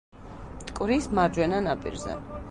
მტკვრის მარჯვენა ნაპირზე.